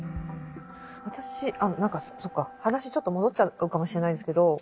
私あの何かそっか話ちょっと戻っちゃうかもしれないですけど